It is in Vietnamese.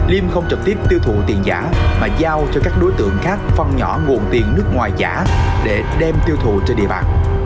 liêm không trực tiếp tiêu thụ tiền giả mà giao cho các đối tượng khác phân nhỏ nguồn tiền nước ngoài giả để đem tiêu thụ trên địa bàn